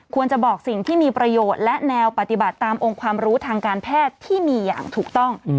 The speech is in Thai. บอกสิ่งที่มีประโยชน์และแนวปฏิบัติตามองค์ความรู้ทางการแพทย์ที่มีอย่างถูกต้อง